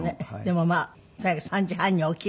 でもまあとにかく３時半には起きる。